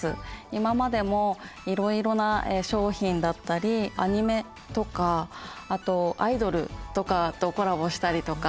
今までもいろいろな商品だったりアニメとかあとアイドルとかとコラボしたりとか。